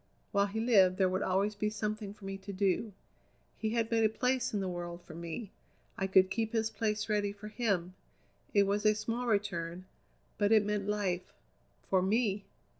While he lived there would always be something for me to do. He had made a place in the world for me; I could keep his place ready for him. It was a small return, but it meant life for me.